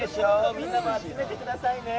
みんなも集めてくださいね。